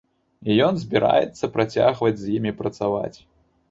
Ён збіраецца працягваць з імі працаваць.